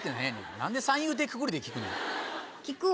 何で三遊亭くくりで聞くねん。